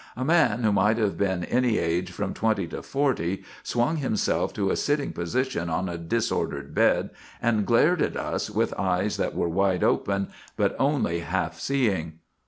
A man who might have been any age from twenty to forty swung himself to a sitting position on a disordered bed and glared at us with eyes that were wide open but only half seeing.